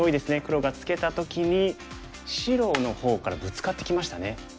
黒がツケた時に白の方からブツカってきましたね。